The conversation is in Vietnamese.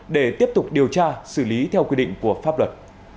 để tiếp tục điều tra xử lý theo quy định của pháp luật